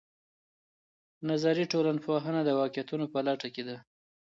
نظري ټولنپوهنه د واقعيتونو په لټه کې ده.